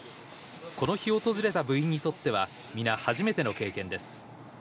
この日訪れた部員にとっては皆、初めての経験です。